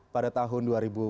pada tahun dua ribu dua puluh